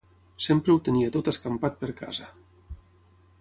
Sempre ho tenia tot escampat per casa...